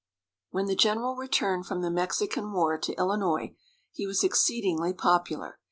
When the general returned from the Mexican War to Illinois, he was exceedingly popular.